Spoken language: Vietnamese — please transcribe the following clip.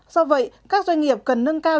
do vậy các doanh nghiệp cần nâng cao